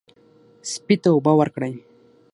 سپي ته اوبه ورکړئ.